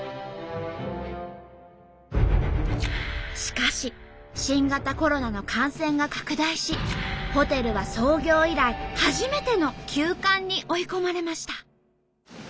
しかし新型コロナの感染が拡大しホテルは創業以来初めての休館に追い込まれました。